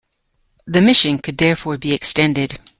The mission could therefore be extended.